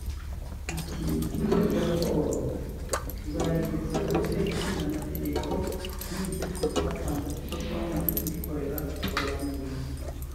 ati “Iyi raporo tuzayigeza ku Nteko Ishinga Amategeko n’ibyifuzo twatanze kuko twamaze kuyikorera ubugororangingo